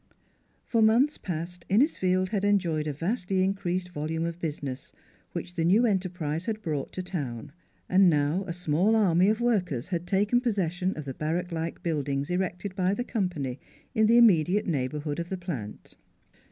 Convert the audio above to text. For months past Innisfield had enjoyed a vastly increased volume of busi ness which the new enterprise had brought to town, and now a small army of workers had taken possession of the barrack like buildings erected by the Company in the immediate neigh borhood of the plant.